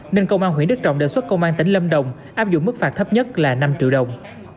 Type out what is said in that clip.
nên công an huyện đức trọng đề xuất công an tỉnh lâm đồng áp dụng mức phạt thấp nhất là năm triệu đồng